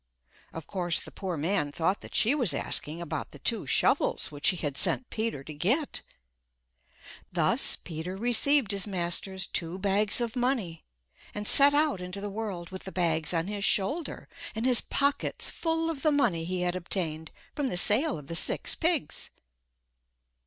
Of course the poor man thought that she was asking about the two shovels which he had sent Peter to get. Thus Peter received his master's two bags of money, and set out into the world with the bags on his shoulder and his pockets full of the money he had obtained from the sale of the six pigs.